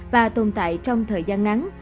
và tồn tại trong thời gian ngắn